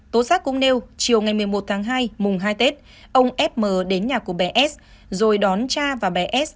tố xác cũng nêu chiều ngày một mươi một tháng hai mùng hai tết ông f m đến nhà của bé s rồi đón cha và bé s